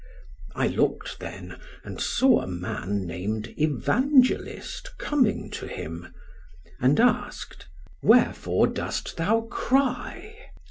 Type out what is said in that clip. I looked then, and saw a man named Evangelist coming to him, and asked, 'Wherefore dost thou cry?'